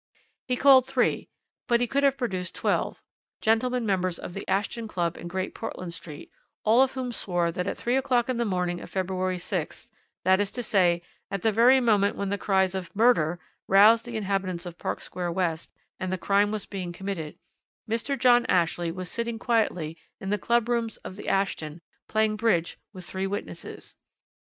He called three but he could have produced twelve gentlemen, members of the Ashton Club in Great Portland Street, all of whom swore that at three o'clock on the morning of February 6th, that is to say, at the very moment when the cries of 'Murder' roused the inhabitants of Park Square West, and the crime was being committed, Mr. John Ashley was sitting quietly in the club rooms of the Ashton playing bridge with the three witnesses.